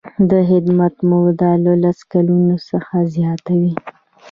د خدمت موده له لس کلونو څخه زیاته وي.